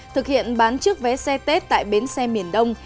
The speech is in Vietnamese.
thực hiện bán chiếc vé xe tết tại bến xe miền đông